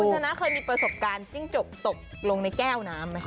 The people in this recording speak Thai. ชนะเคยมีประสบการณ์จิ้งจกตกลงในแก้วน้ำไหมคะ